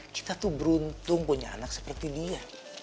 kita tuh beruntung punya anak seperti dia